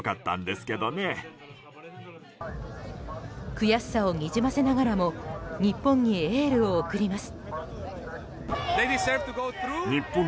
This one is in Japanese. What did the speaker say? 悔しさをにじませながらも日本にエールを送ります。